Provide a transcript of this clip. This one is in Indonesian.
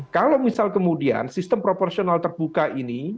kalau misal kemudian sistem proporsional terbuka ini